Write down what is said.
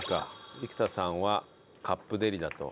生田さんはカップデリだと。